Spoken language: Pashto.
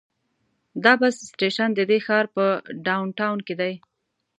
دا بس سټیشن د دې ښار په ډاون ټاون کې دی.